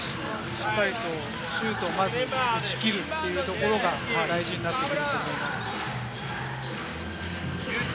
しっかりとシュートまで打ち切るというところが大事になってくると思います。